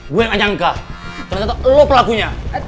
gue yang menyangka ternyata lo pelakunya